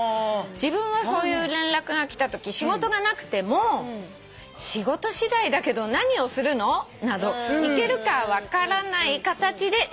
「自分はそういう連絡が来たとき仕事がなくても『仕事しだいだけど何をするの？』など行けるか分からない形で詳細を聞いています」